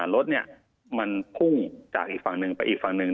รถมันพุ่งจากอีกฝั่งหนึ่งไปอีกฝั่งหนึ่ง